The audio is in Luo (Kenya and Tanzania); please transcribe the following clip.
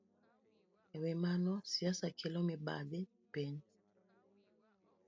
E wi mano, siasa kelo mibadhi e piny.